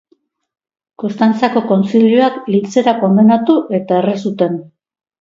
Konstantzako kontzilioak hiltzera kondenatu eta erre zuten.